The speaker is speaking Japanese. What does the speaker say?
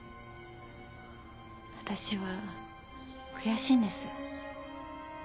私は悔しいんです。